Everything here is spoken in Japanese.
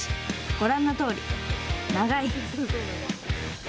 ご覧のとおり、長い！